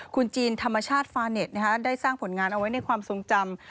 คุณจีนธรรมชาติฟาเน็ตได้สร้างผลงานเอาไว้ในความทรงจำ